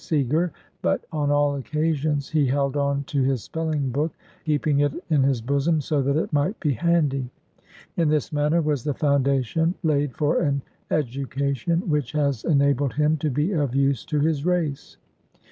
Segar. But on all occasions, he held on to his spelling book, keep ing it in his bosom, so that it might be handy. In this manner was the foundation laid for an education which has enabled him to be of use to his race.